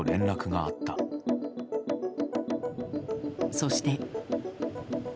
そして。